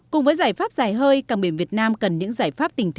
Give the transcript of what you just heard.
cùng với giải pháp giải hơi cầm biển việt nam cần những sản phẩm đầy năng lượng